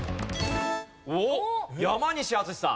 おっ山西惇さん。